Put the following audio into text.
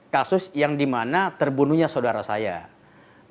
kasus yang dimana terbunuhnya saudara saya